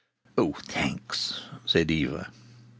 "Oh, thanks!" said Eva.